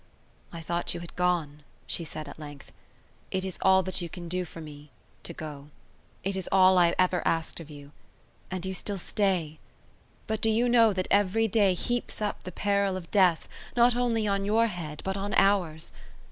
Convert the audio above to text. "I thought you had gone," she said at length. "It is all that you can do for me—to go. It is all I ever asked of you. And you still stay. But do you know, that every day heaps up the peril of death, not only on your head, but on ours?